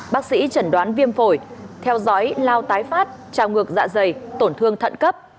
bác sĩ chẩn đoán viêm phổi theo dõi lao tái phát trào ngược dạ dày tổn thương thận cấp